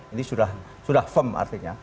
ini sudah firm artinya